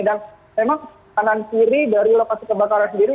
dan memang kanan kiri dari lokasi kebakaran sendiri